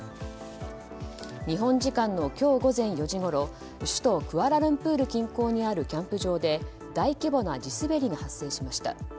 日本時間の今日午前４時ごろ首都クアラルンプール近郊にあるキャンプ場で大規模な地滑りが発生しました。